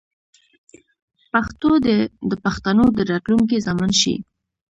پښتو دې د پښتنو د راتلونکې ضامن شي.